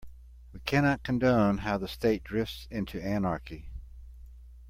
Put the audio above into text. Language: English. We cannot condone how the state drifts into anarchy.